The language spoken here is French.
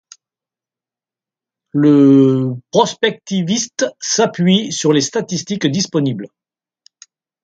Le prospectiviste s'appuie sur les statistiques disponibles.